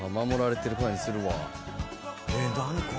守られてる感じするわ。